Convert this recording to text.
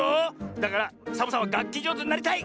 だからサボさんはがっきじょうずになりたい！